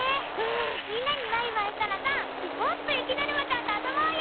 みんなにバイバイしたらさもっとゆきだるまちゃんとあそぼうよ！